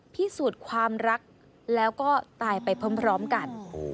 พิสูจน์ความรักแล้วก็ตายไปพร้อมกัน